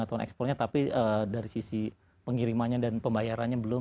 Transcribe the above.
atau ekspornya tapi dari sisi pengirimannya dan pembayarannya belum